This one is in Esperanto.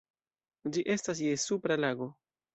Ĝi estas je Supra Lago.